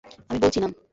আমি বলছি নাম।